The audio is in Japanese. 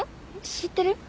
知ってる？